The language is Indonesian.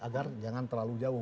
agar jangan terlalu jauh